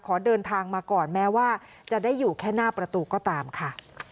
ขอเดินทางมาก่อนแม้ว่าจะได้อยู่แค่หน้าประตูก็ตามค่ะ